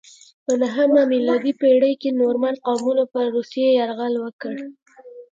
په نهمه میلادي پیړۍ کې نورمن قومونو پر روسیې یرغل وکړ.